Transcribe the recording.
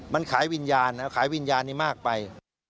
มันขายวิญญาณนะขายวิญญาณนี้มากไป